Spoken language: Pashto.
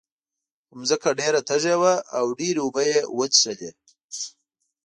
خو ځمکه ډېره تږې وه او ډېرې اوبه یې وڅکلې.